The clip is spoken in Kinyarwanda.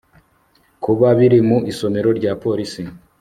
kuba biri mu isomero rya polisi